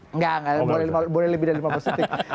enggak boleh lebih dari lima belas detik